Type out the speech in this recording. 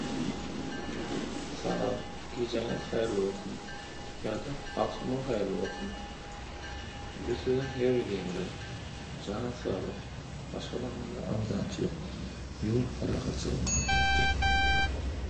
However, they lost again to the Los Angeles Rams in the playoffs.